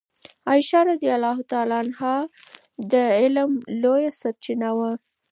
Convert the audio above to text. عائشه رضی الله عنها د علم لویه سرچینه وه.